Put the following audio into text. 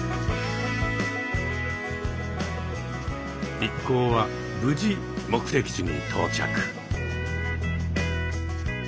一行は無事目的地に到着。